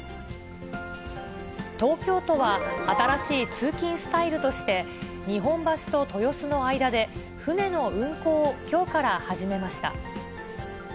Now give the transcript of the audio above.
東京都は、新しい通勤スタイルとして、日本橋と豊洲の間で船の運航をきょうから始めました。